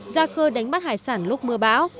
ra khơi đánh bắt hải sản lúc mưa bão